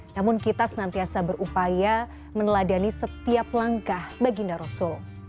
namun kita senantiasa berupaya meneladani setiap langkah baginda rasul